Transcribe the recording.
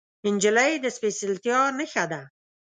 نجلۍ د سپیڅلتیا نښه ده.